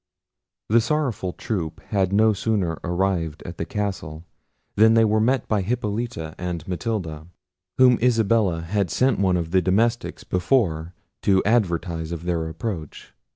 The sorrowful troop no sooner arrived at the castle, than they were met by Hippolita and Matilda, whom Isabella had sent one of the domestics before to advertise of their approach.